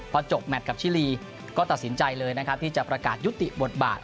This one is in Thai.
พอจบแมทกับชิลีก็ตัดสินใจเลยนะครับที่จะประกาศยุติบทบาท